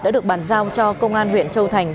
đã được bàn giao cho công an huyện châu thành